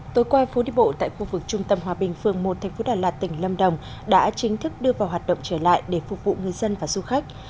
tối qua phố đi bộ tại khu vực trung tâm hòa bình phường một thành phố đà lạt tỉnh lâm đồng đã chính thức đưa vào hoạt động trở lại để phục vụ người dân và du khách